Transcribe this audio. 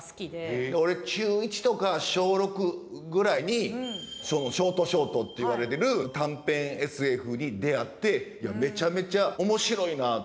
へえ俺中１とか小６ぐらいにショートショートっていわれてる短編ＳＦに出会っていやめちゃめちゃ面白いな。